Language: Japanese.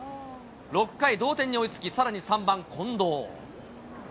６回、同点に追いつき、さらに３番近藤。